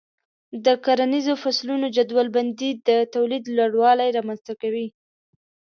د کرنیزو فصلونو جدول بندي د تولید لوړوالی رامنځته کوي.